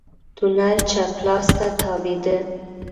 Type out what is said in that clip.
تونل چپ لاس ته تاوېده.